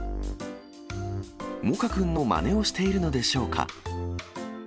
モカくんのまねをしているのでしょうか。